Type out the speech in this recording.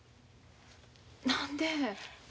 何で？